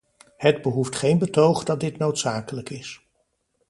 Het behoeft geen betoog dat dit noodzakelijk is.